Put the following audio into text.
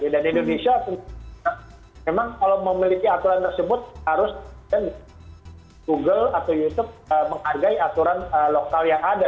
dan indonesia memang kalau memiliki aturan tersebut harus google atau youtube menghargai aturan lokal yang ada